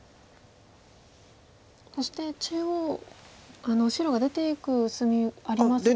そして中央白が出ていく薄みありますよね。